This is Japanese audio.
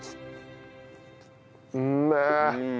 うめえ。